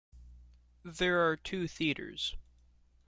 There are two theaters.